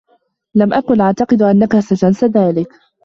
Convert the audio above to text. لم أكن أعتقد أنّك ستنسى ذلك.